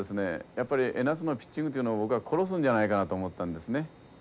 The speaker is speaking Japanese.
やっぱり江夏のピッチングというのを僕は殺すんじゃないかなと思ったんですね。